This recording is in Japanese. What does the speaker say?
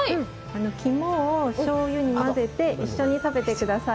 肝をしょうゆに混ぜて一緒に食べてください。